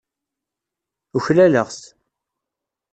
Uklaleɣ-t.